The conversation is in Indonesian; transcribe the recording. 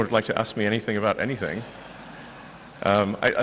ada yang ingin bertanya tentang apa apa